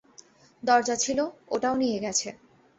দরজা ছিল ওটাও নিয়ে গেছে।